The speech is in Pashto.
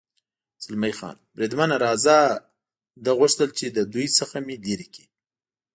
زلمی خان: بریدمنه، راځه، ده غوښتل چې له دوی څخه مې لرې کړي.